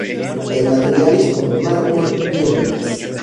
En materiales como mármol y ónix.